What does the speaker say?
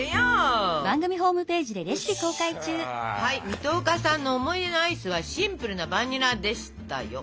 水戸岡さんの思い出のアイスはシンプルなバニラでしたよ。